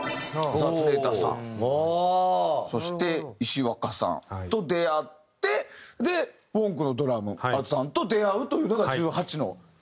常田さんそして石若さんと出会ってでＷＯＮＫのドラム荒田さんと出会うというのが１８の時。